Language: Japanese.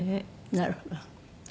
なるほど。